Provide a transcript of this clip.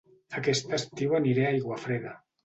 Aquest estiu aniré a Aiguafreda